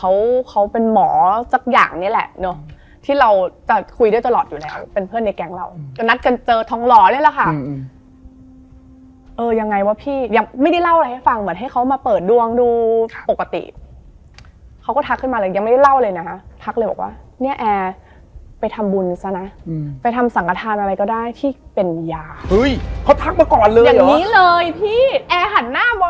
แล้วเป็นอย่างเนี้ยเราจำได้เลยว่าท่าทางเราเป็นแบบ